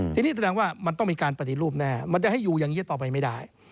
ทีนี้แสดงว่ามันต้องมีการปฏิรูปแน่มันจะให้อยู่อย่างนี้ต่อไปไม่ได้